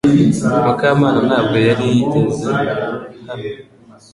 Mukamana ntabwo yari yigezes hano .